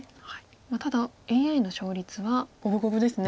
ただＡＩの勝率は五分五分ですね。